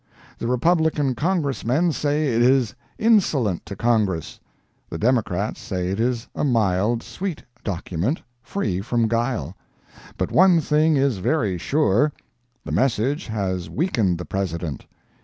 The Republican Congressmen say it is insolent to Congress; the Democrats say it is a mild, sweet document, free from guile. But one thing is very sure: the message has weakened the President.